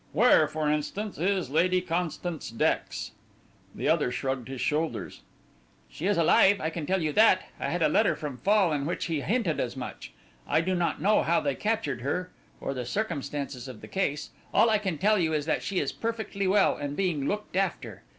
Where, for instance, is Lady Constance Dex?" The other shrugged his shoulders. "She is alive, I can tell you that. I had a letter from Fall in which he hinted as much. I do not know how they captured her, or the circumstances of the case. All I can tell you is that she is perfectly well and being looked after.